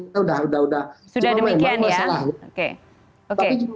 sudah demikian ya